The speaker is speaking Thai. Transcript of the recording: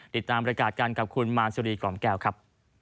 ติดตามบริการกันกับคุณมาสุรีกล่อมแก้วครับ